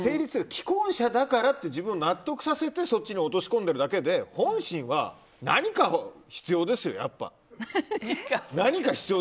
既婚者だからと自分を納得させてそっちに落とし込んでいるだけで本心は何か必要ですよ、やっぱ。